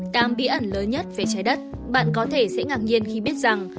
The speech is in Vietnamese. đáng bí ẩn lớn nhất về trái đất bạn có thể sẽ ngạc nhiên khi biết rằng